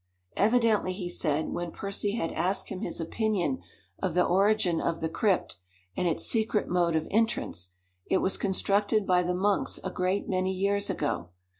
"Evidently," he said, when Percy had asked him his opinion of the origin of the crypt, and its secret mode of entrance, "it was constructed by the monks a great many years ago.